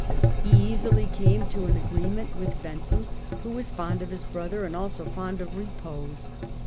He easily came 1410 1438 ^Q ^^ agreement with Wenzel, who was fond of his brother and also fond of repose.